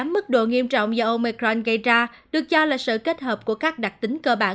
tám mức độ nghiêm trọng do omecron gây ra được cho là sự kết hợp của các đặc tính cơ bản